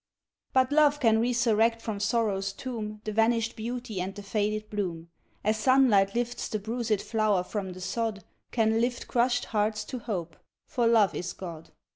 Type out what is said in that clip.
But love can resurrect from sorrow's tomb The vanished beauty and the faded bloom, As sunlight lifts the bruised flower from the sod, Can lift crushed hearts to hope, for love is God.